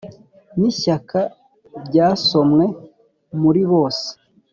n'ishyaka ryasomwe muri bose